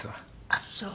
あっそう。